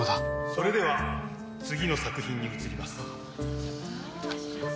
それでは次の作品に移ります。